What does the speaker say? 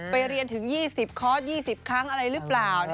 เรียนถึง๒๐คอร์ส๒๐ครั้งอะไรหรือเปล่า